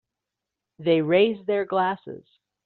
They raise their glasses.